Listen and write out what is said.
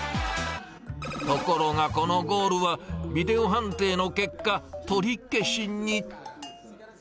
ところが、このゴールはビデオ判定の結果、取り消しに。